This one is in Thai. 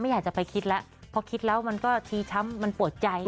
อยากจะไปคิดแล้วเพราะคิดแล้วมันก็ทีช้ำมันปวดใจ